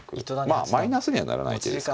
まあマイナスにはならない手ですからね。